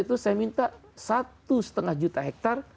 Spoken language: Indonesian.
itu saya minta satu lima juta hektare